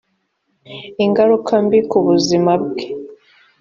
ingaruka mbi ku buzima bwe